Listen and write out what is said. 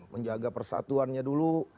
menjaga persatuannya dulu